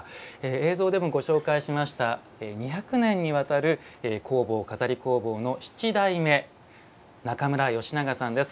映像でもご紹介しました２００年にわたる工房錺工房の七代目中村佳永さんです。